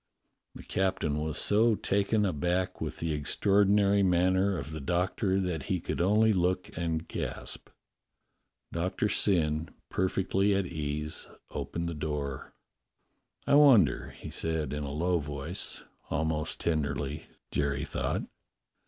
The captain was so taken aback with the extraordi nary manner of the Doctor that he could only look and gasp. Doctor Syn, perfectly at ease, opened the door. "I wonder?" he said in a low voice, almost tenderly, Jerry thought.